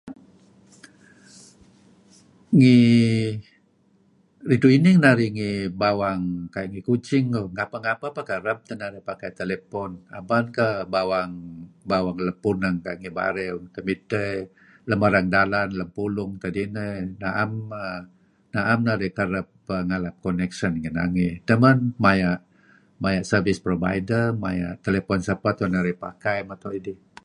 ngi rechu inih narih ngi bawang ku'ayu ngi kuching ngapeh-ngapeh kereb teh narih pakai telepon aban teh bawang bawang leng puneng ku'ayu Bariu temiseh lem arang dalan lem pulung kadi naam neh nari kereb conection ngi dange adche men maya service provideri maya sapeh telepon nuk tu'en narih pakai mento dih